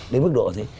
đến mức độ thế